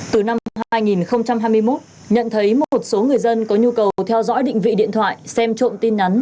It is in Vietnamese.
từ năm hai nghìn hai mươi một nhận thấy một số người dân có nhu cầu theo dõi định vị điện thoại xem trộm tin nhắn